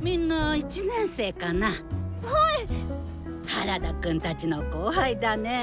原田くんたちの後輩だね。